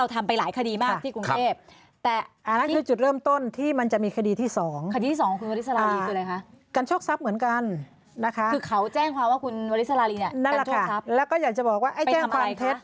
ติดเลิกจุดเริ่มต้นที่มันจะมีคดีที่๒ควร